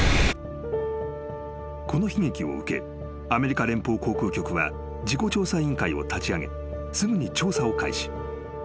［この悲劇を受けアメリカ連邦航空局は事故調査委員会を立ち上げすぐに］